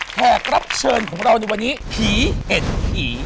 แขกรับเชิญของเราในวันนี้ผีเอ็ดผี